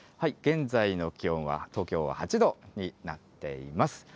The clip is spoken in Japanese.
現在の気温は、東京は８度になっています。